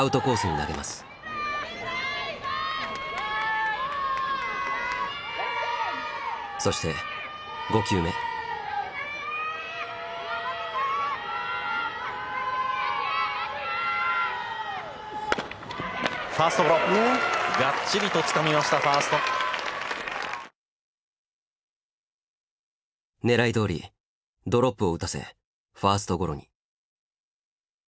狙いどおりドロップを打たせファーストゴロに。